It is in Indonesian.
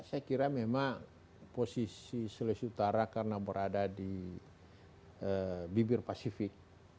saya kira memang posisi sulawesi utara karena berada di bibir pasifik